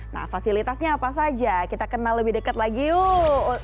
nah fasilitasnya apa saja kita kenal lebih dekat lagi yuk